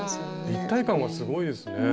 立体感がすごいですね。